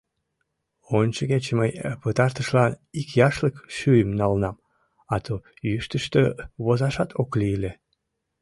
“Ончыгече мый пытартышлан ик яшлык шӱйым налынам, а то йӱштыштӧ возашат ок лий ыле...